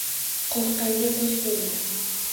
Qo’rqqanga qo’sh ko'rinar.